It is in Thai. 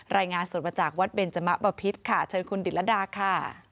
รายงานสดมาจากวัดเบนจมะบะพิษค่ะเชิญคุณดิตรดาค่ะ